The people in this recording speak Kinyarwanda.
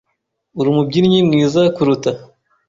Urumubyinnyi mwiza kuruta .